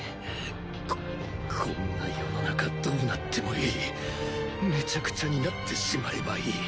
ここんな世の中どうなってもいいめちゃくちゃになってしまえばいい